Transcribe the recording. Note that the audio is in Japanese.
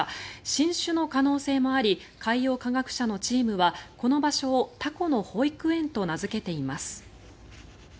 新種の可能性もあり海洋科学者のチームはこの場所をタコの保育園と名付けています。